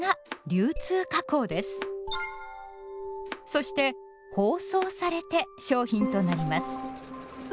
そして「包装」されて商品となります。